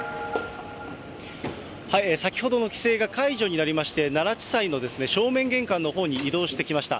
先ほどの規制が解除になりまして、奈良地裁の正面玄関のほうに移動してきました。